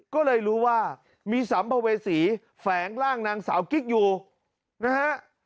ก็เลยรู้ว่ามีสัมภเวษีแฝงร่างนางสาวกิ๊กอยู่นะฮะ